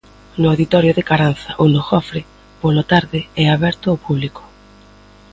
No auditorio de Caranza ou no Jofre, pola tarde e aberto ao público.